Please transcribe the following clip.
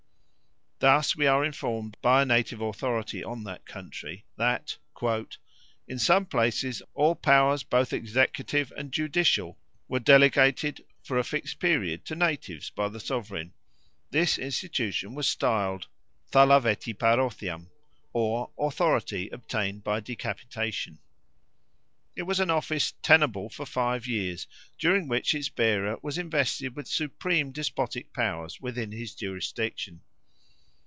Thus we are informed by a native authority on that country that "in some places all powers both executive and judicial were delegated for a fixed period to natives by the sovereign. This institution was styled Thalavettiparothiam or authority obtained by decapitation. ... It was an office tenable for five years during which its bearer was invested with supreme despotic powers within his jurisdiction.